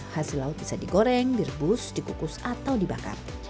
hasil laut bisa digoreng direbus dikukus atau dibakar